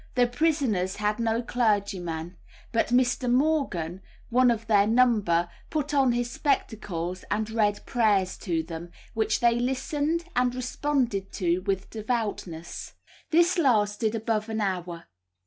The prisoners had no clergyman, but Mr. Morgan, one of their number, put on his spectacles and read prayers to them, which they listened and responded to with devoutness. This lasted above an hour.